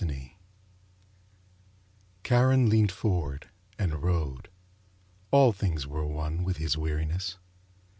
CHARON Charon leaned forward and rowed. All things were one with his weariness.